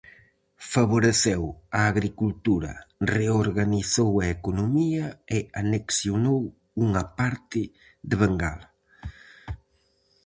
Favoreceu a agricultura, reorganizou a economía e anexionou unha parte de Bengala.